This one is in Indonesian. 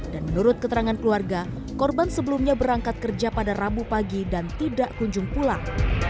dan menurut keterangan keluarga korban sebelumnya berangkat kerja pada rabu pagi dan tidak kunjung pulang